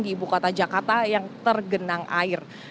di ibu kota jakarta yang tergenang air